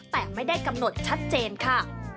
แต่ไม่ได้กำหนดชัดเจนค่ะ